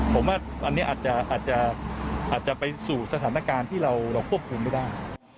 ผมว่าอันนี้อาจจะไปสู่สถานการณ์ที่เราควบคุมไม่ได้